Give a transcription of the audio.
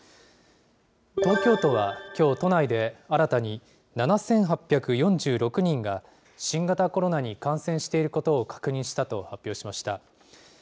東京都はきょう、都内で新たに７８４６人が新型コロナに感染していることを確認したと発表しました。